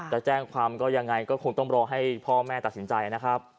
จะแจ้งความก็ยังไงก็คงต้องรอให้พ่อแม่ตัดสินใจนะครับ